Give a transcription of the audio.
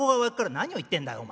「何を言ってんだいお前。